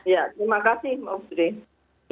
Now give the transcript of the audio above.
ya terima kasih mbak putri